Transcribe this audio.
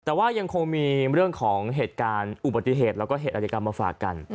แต่ว่ายังคงมีเรื่องของเหตุการณ์อุบัติเหตุแล้วก็เหตุอาจกรรมมาฝากกัน